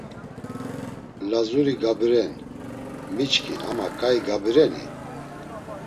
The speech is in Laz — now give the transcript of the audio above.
Lazuri gabiren, miçkin ama ǩai gabireni?